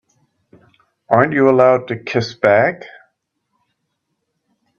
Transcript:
Aren't you allowed to kiss back?